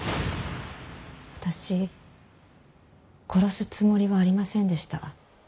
私殺すつもりはありませんでした。